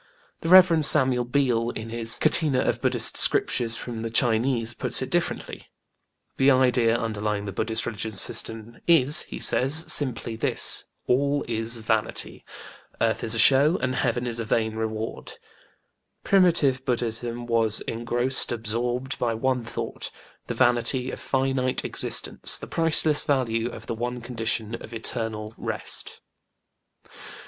The Rev. Samuel Beal, in his Catena of BudĖĢdĖĢhist Scriptures from the Chinese puts it differently. "The idea underlying the Buddhist religious system is," he says, "simply this: 'all is vanity'. Earth is a show, and Heaven is a vain reward." Primitive BudĖĢdĖĢhism was engrossed, absorbed, by one thought the vanity of finite existence, the priceless value of the one condition of Eternal Rest.